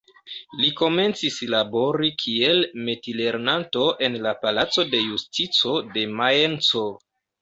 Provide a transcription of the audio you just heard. Li komencis labori kiel metilernanto en la palaco de Justico de Majenco.